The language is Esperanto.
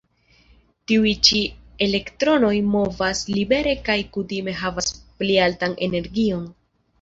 Tiuj ĉi elektronoj movas libere kaj kutime havas pli altan energion.